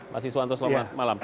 masiswanto selamat malam